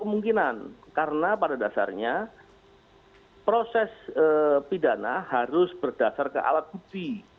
kemungkinan karena pada dasarnya proses pidana harus berdasar ke alat bukti